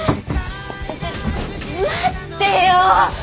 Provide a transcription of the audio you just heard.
ちょ待ってよ！